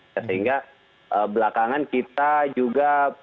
sehingga belakangan kita juga tentu seperti itu